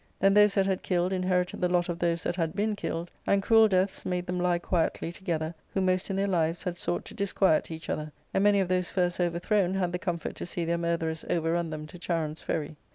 Then those that had killed inherited the lot of those that had been killed, and cruel deaths made them lie quietly together who most in their lives had sought to disquiet each other, and many of those first overthrown had the comfort to see their murtherers overrun them to Charon's ferry.